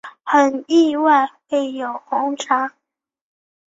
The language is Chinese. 很意外会有红茶